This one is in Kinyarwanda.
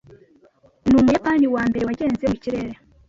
Numuyapani wambere wagenze mukirere.